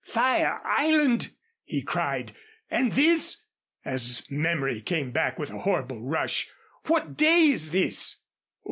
"Fire Island," he cried, "and this " as memory came back with a horrible rush "what day is this?"